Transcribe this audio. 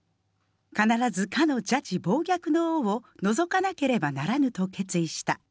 必ずかの邪智暴虐の王を除かなければならぬと決意した。